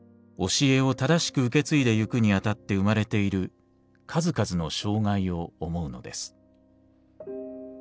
教えを正しく受け継いでゆくにあたって生まれている数々の障害を思うのです。